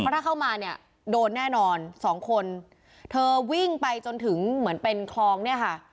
ถ้าเข้ามาเนี่ยโดนแน่นอนสองคนเธอวิ่งไปจนถึงเหมือนเป็นคลองเนี่ยค่ะ